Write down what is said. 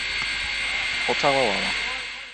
o tawa wawa.